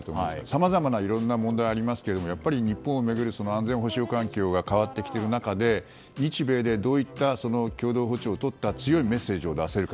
さまざまないろんな問題がありますがやはり日本を巡る安全保障環境が変わってきている中で日米でどういった共同歩調をとった強いメッセージを出せるか。